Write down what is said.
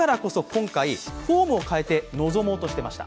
今回、フォームを変えて臨もうとしていました。